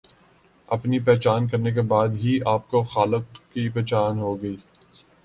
اپنی پہچان کرنے کے بعد ہی آپ کو خالق کی پہچان ہوگی